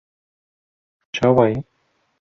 Çawa yî?